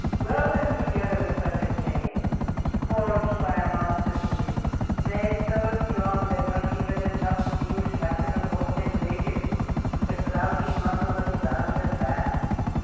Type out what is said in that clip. Weld them together with such a chain, forged by a master smith, made so strong that not even a tough thewed captain of horse may break it with the clouting muscles of his arms and back.